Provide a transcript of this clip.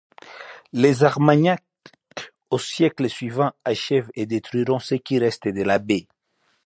Les Armagnacs au siècle suivant achèvent et détruiront ce qui reste de l'abbaye.